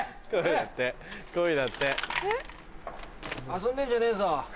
遊んでんじゃねえぞ。